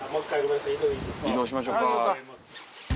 移動しましょか。